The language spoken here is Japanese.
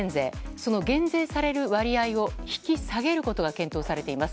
その減税される割合を引き下げることが検討されています。